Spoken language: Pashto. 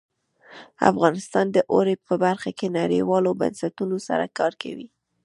افغانستان د اوړي په برخه کې نړیوالو بنسټونو سره کار کوي.